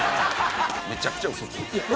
めちゃくちゃ嘘つく。